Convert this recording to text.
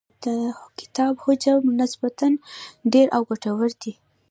د کتاب حجم نسبتاً ډېر او ګټور دی.